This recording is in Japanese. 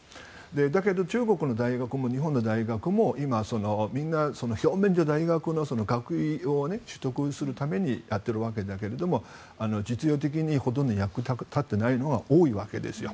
だけど中国の大学も日本の大学も今、みんな表面上大学の学位を取得するためにやっているわけですが実用的にほとんど役に立ってないのが多いわけですよ。